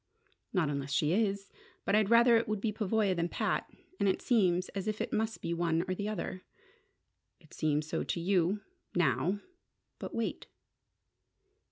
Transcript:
"Not unless she is. But I'd rather it would be Pavoya than Pat. And it seems as if it must be one or the other." "It seems so to you now. But wait."